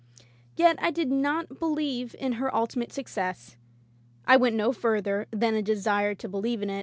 Yet I did not believe in her ultimate success. I went no further than a desire to believe in it.